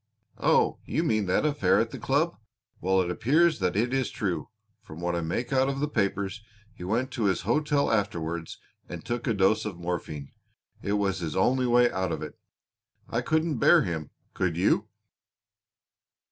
"Oh, you mean that affair at the club. Well, it appears that it is true. From what I make out of the papers, he went to his hotel afterwards, and took a dose of morphine. It was his only way out of it. I couldn't bear him, could you?"